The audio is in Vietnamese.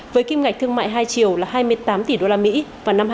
với kim ngạch thương mại hai triệu là hai mươi tám tỷ usd vào năm hai nghìn hai mươi